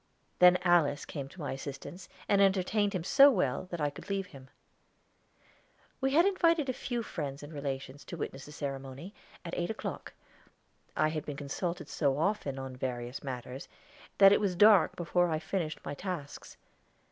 Then Alice came to my assistance and entertained him so well that I could leave him. We had invited a few friends and relations to witness the ceremony, at eight o'clock. I had been consulted so often on various matters that it was dark before I finished my tasks.